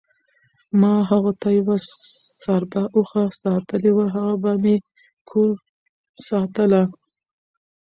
ما هغو ته یوه څربه اوښه ساتلې وه، هغه به مې کور ساتله،